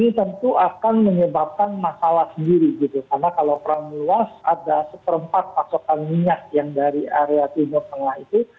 ini tentu akan menyebabkan masalah sendiri gitu karena kalau perang meluas ada seperempat pasokan minyak yang dari area timur tengah itu